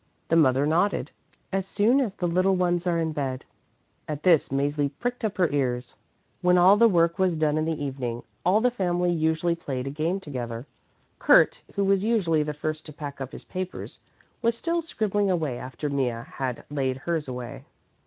The mother nodded. "As soon as the little ones are in bed." At this Mäzli pricked up her ears. When all the work was done in the evening, all the family usually played a game together. Kurt, who was usually the first to pack up his papers, was still scribbling away after Mea had laid hers away.